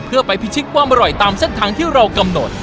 เพื่อไปพิชิตความอร่อยตามเส้นทางที่เรากำหนด